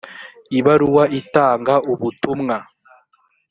ibaruwa itanga ubutumwa.